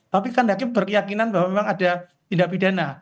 tapi kan hakim berkeyakinan bahwa memang ada tindak pidana